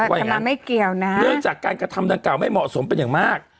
ทำไมไม่เกี่ยวนะเนื่องจากการกระทำดังกล่าไม่เหมาะสมเป็นอย่างมาก